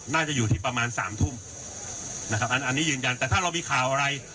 น่าจะอยู่ที่ประมาณสามทุ่มนะครับอันนี้ยืนยันแต่ถ้าเรามีข่าวอะไร